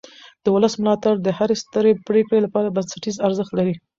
د ولس ملاتړ د هرې سترې پرېکړې لپاره بنسټیز ارزښت لري